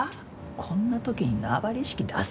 こんな時に縄張り意識出す！？